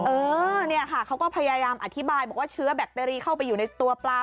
เออเนี่ยค่ะเขาก็พยายามอธิบายบอกว่าเชื้อแบคเตอรีเข้าไปอยู่ในตัวปลา